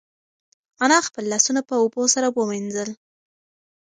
انا خپل لاسونه په اوبو سره ومینځل.